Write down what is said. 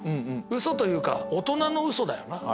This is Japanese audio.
ウソというか大人のウソだよな。